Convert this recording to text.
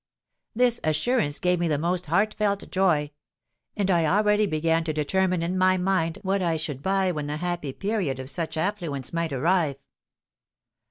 This assurance gave me the most heart felt joy; and I already began to determine in my mind what I should buy when the happy period of such affluence might arrive.